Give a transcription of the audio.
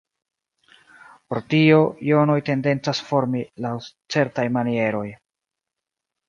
Pro tio, jonoj tendencas formi laŭ certaj manieroj.